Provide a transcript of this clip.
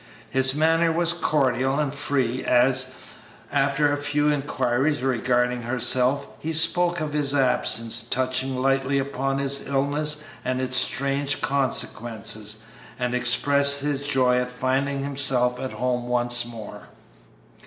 His manner was cordial and free as, after a few inquiries regarding herself, he spoke of his absence, touching lightly upon his illness and its strange consequences, and expressed his joy at finding himself at home once more.